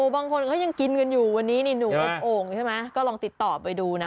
บางคนเขายังกินกันอยู่วันนี้นี่หนูอบโอ่งใช่ไหมก็ลองติดต่อไปดูนะ